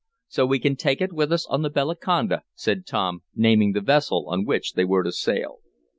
"So we can take it with us on the Bellaconda," said, Tom, naming the vessel on which they were to sail.